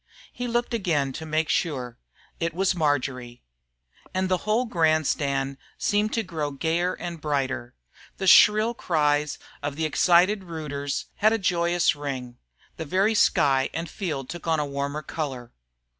He looked again to make sure. It was Marjory. And the whole grandstand seemed to grow gayer and brighter, the shrill cries of excited rooters had a joyous ring, the very sky and field took on a warmer color.